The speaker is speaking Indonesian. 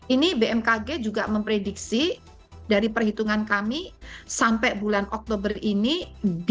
ini bmkg juga memprediksi dari perhitungan kami sampai bulan oktober ini dimungkinkan dapat terjadi